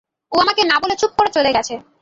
ও আমাকে না বলে চুপ করে চলে গেছে।